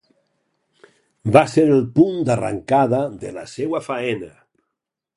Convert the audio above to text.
Va ser el punt d'arrancada de la seua faena.